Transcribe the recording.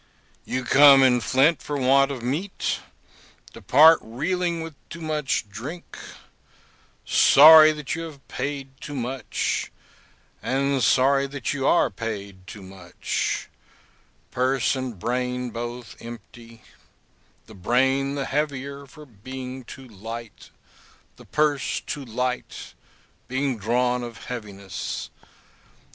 You come in faint for want of meat, depart reeling with too much drink; sorry that you have paid too much, and sorry that you are paid too much; purse and brain both empty; the brain the heavier for being too light, the purse too light, being drawn of heaviness.